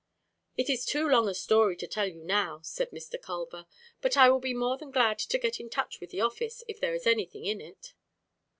"It is too long a story to tell you now," said Mr. Culver, "but I will be more than glad to get in touch with the office if there is anything in it."